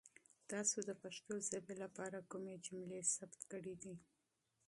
تاسو د پښتو ژبې لپاره کومې جملې ثبت کړي؟